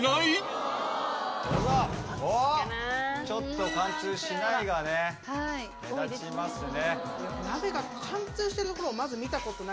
ちょっと「貫通しない」がね目立ちますね。